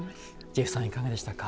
ジェフさんいかがでしたか？